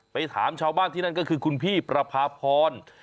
ถามชาวบ้านที่นั่นก็คือคุณพี่ประพาพร